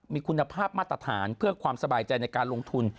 มีคุณภาพมาตรฐานเพื่อความสบายใจในการลงทุน